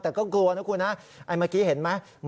แต่ก็กลัวนะคุณนะไอ้เมื่อกี้เห็นไหม